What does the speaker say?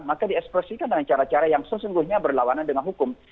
maka diekspresikan dengan cara cara yang sesungguhnya berlawanan dengan hukum